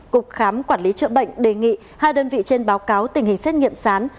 cục khám quản lý chợ bệnh đề nghị hai đơn vị trên báo cáo tình hình xét nghiệm sán